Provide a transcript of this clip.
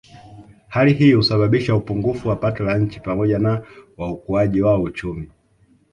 Hali hii husababisha upungufu wa pato la nchi pamoja na wa ukuaji wa uchumi